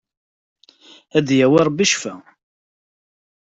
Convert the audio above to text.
Ad d-yawi Rebbi ccfa!